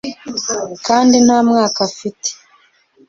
kandi nta mwaka afite